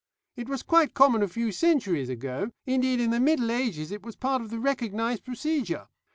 It was quite common a few centuries ago; indeed, in the Middle Ages it was part of the recognised procedure.